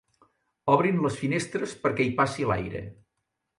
Obrin les finestres perquè hi passi l'aire.